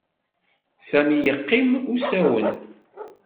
Sami yeqqim usawen.